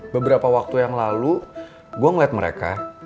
beberapa waktu yang lalu gue ngeliat mereka